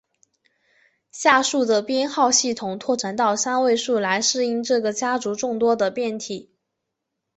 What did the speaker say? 下述的编号系统拓展到三位数来适应这个家族众多的变体。